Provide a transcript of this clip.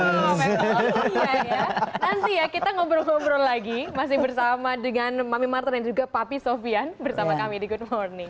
nanti ya kita ngobrol ngobrol lagi masih bersama dengan mami marta dan juga papi sofian bersama kami di good morning